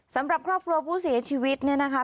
สำหรับครอบครัวผู้เสียชีวิตเนี่ยนะคะ